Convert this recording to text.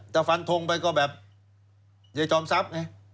แต่ฟันทงไปก็แบบเย้จอมซับไง